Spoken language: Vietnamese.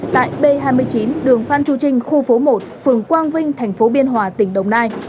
tại b hai mươi chín đường phan chu trinh khu phố một phường quang vinh thành phố biên hòa tỉnh đồng nai